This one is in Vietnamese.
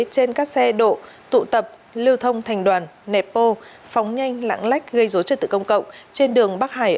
trên các xe độ tụ tập lưu thông thành đoàn nepo phóng nhanh lãng lách gây dối cho tự công cộng trên đường bắc hải